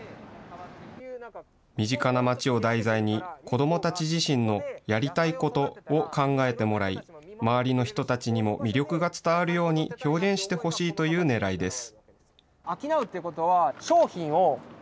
身近な町を題材に、子どもたち自身のやりたいことを考えてもらい、周りの人たちにも魅力が伝わるように表現してほしいというねらいです。